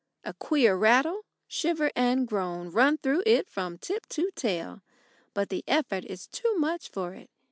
A queer rattle, shiver, and groan run through it from tip to tail. But the effort is too much for it.